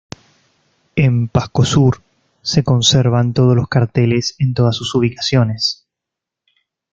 En Pasco Sur, se conservan todos los carteles en todas sus ubicaciones.